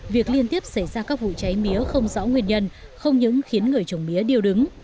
việc liên tiếp xảy ra các vụ cháy mía không rõ nguyên nhân không những khiến người trồng mía điều đứng